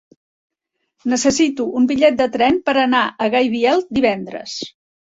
Necessito un bitllet de tren per anar a Gaibiel divendres.